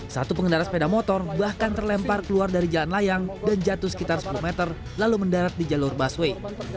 satu pengendara sepeda motor bahkan terlempar keluar dari jalan layang dan jatuh sekitar sepuluh meter lalu mendarat di jalur busway